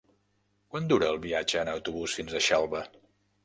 Quant dura el viatge en autobús fins a Xelva?